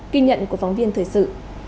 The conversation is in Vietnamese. kinh nhận của phóng viên thời sự